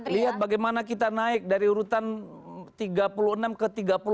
lihat bagaimana kita naik dari urutan tiga puluh enam ke tiga puluh enam